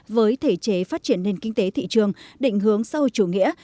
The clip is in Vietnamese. với thể chế phát triển nền kinh tế thị trường định hướng sâu chủ nghĩa